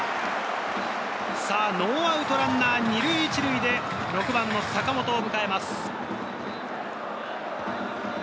さぁノーアウトランナー２塁１塁で６番・坂本を迎えます。